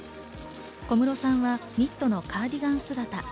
小室さんはニットのカーディガン姿。